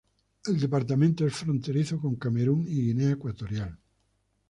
El departamento es fronterizo con Camerún y Guinea Ecuatorial.